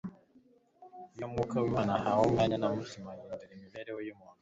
Iyo Mwuka w’Imana ahawe umwanya mu mutima, ahindura imibereho y’umuntu.